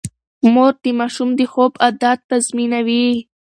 مور د ماشوم د خوب عادت تنظيموي.